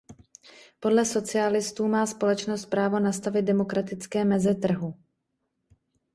Podle socialistů má společnost právo nastavit demokratické meze trhu.